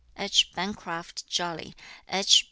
H. BENCRAFT JOLY, H.